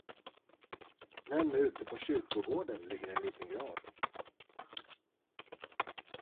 Men ute på kyrkogården ligger en liten grav.